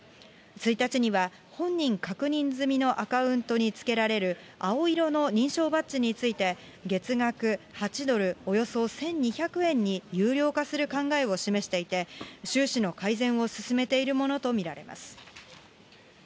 １日には、本人確認済みのアカウントにつけられる、青色の認証バッジについて月額８ドル、およそ１２００円に有料化する考えを示していて、収支の改善を進めているものと見られます。